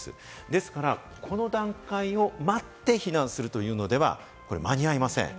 ですから、この段階を待って避難するというのでは間に合いません。